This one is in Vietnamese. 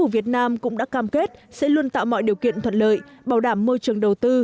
việt nam cũng đã cam kết sẽ luôn tạo mọi điều kiện thuận lợi bảo đảm môi trường đầu tư